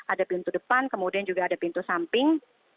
ada pintu depan kemudian juga ada pintu samping